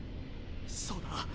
そうだ。